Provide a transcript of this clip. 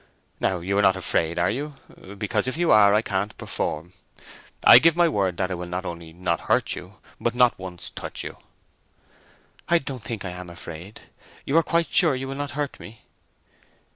Now you are not afraid, are you? Because if you are I can't perform. I give my word that I will not only not hurt you, but not once touch you." "I don't think I am afraid. You are quite sure you will not hurt me?"